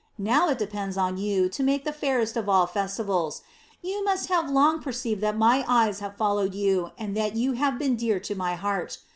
Now it depends on you to make it the fairest of all festivals. You must have long perceived that my eyes have followed you and that you have been dear to my heart.